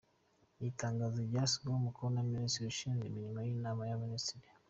Iri tangazo ryashyizweho umukono na Minisiteri Ishinzwe Imirimo y’Inama y’Abaminisitiri.